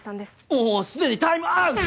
もう既にタイムアウト！